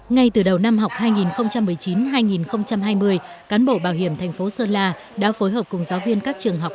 ngay từ đầu năm học hai nghìn một mươi chín hai nghìn hai mươi cán bộ bảo hiểm thành phố sơn la đã phối hợp cùng giáo viên các trường học